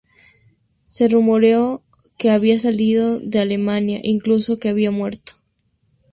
Se rumoreó que había salido de Alemania, e incluso que había muerto.